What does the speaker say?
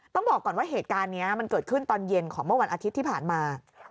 ต้องบอกก่อนว่าเหตุการณ์นี้มันเกิดขึ้นตอนเย็นของเมื่อวันอาทิตย์ที่ผ่านมา